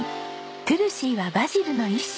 トゥルシーはバジルの一種。